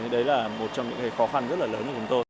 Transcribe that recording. đấy là một trong những khó khăn rất là lớn của chúng tôi